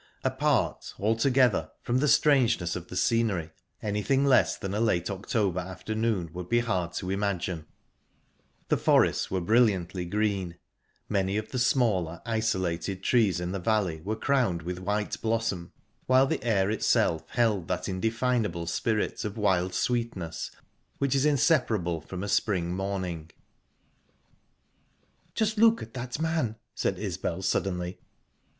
Apart, altogether, from the strangeness of the scenery, anything less like a late October afternoon would be hard to imagine; the forests were brilliantly green, many of the smaller, isolated trees in the valley were crowned with white blossom, while the air itself held that indefinable spirit of wild sweetness which is inseparable from a spring morning. "Just look at that man!" said Isbel, suddenly.